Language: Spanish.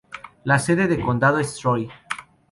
La sede de condado es Troy.